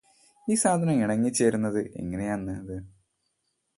ഈ സാധനം ഇണങ്ങിച്ചെരുന്നത് എങ്ങനെയെന്നത്